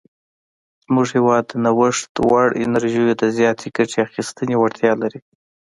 زموږ هیواد د نوښت وړ انرژیو د زیاتې ګټې اخیستنې وړتیا لري.